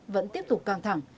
vẫn tiếp tục căng thẳng